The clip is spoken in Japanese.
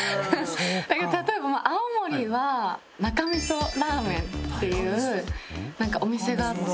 例えば青森は中みそラーメンっていうお店があって。